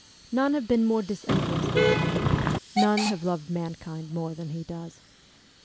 None have been more disinterested than he, none have loved mankind more than he does.